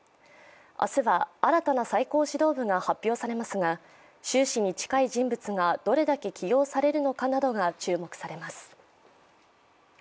明日は新たな最高指導部が発表されますが習氏に近い人物がどれだけ起用されるのかなどが注目されます。